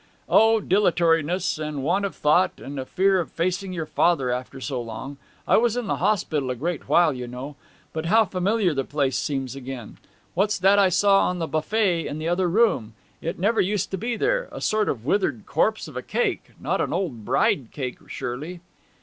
'O dilatoriness and want of thought, and a fear of facing your father after so long. I was in hospital a great while, you know. But how familiar the place seems again! What's that I saw on the beaufet in the other room? It never used to be there. A sort of withered corpse of a cake not an old bride cake surely?'